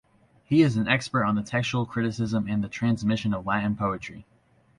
He is an expert on the textual criticism and the transmission of Latin poetry.